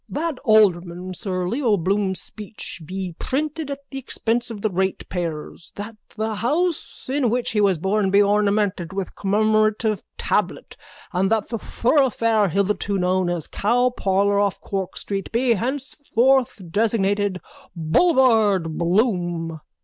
_ That alderman sir Leo Bloom's speech be printed at the expense of the ratepayers. That the house in which he was born be ornamented with a commemorative tablet and that the thoroughfare hitherto known as Cow Parlour off Cork street be henceforth designated Boulevard Bloom.